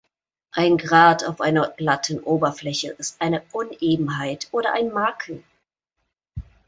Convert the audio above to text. Ein Grat auf einer glatten Oberfläche ist eine Unebenheit oder ein Makel.